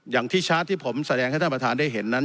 อย่างที่ชาร์จที่ผมแสดงให้ท่านประธานได้เห็นนั้น